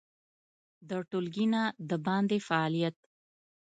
د ټولګي نه د باندې فعالیت